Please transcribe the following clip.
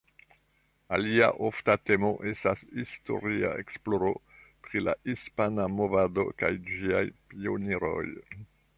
Alia ofta temo estas historia esploro pri la hispana movado kaj ĝiaj pioniroj.